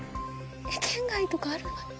圏外とかあるかな。